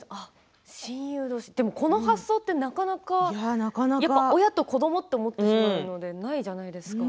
でも、この発想ってなかなかやっぱり、親と子どもと思ってしまうからないじゃないですか。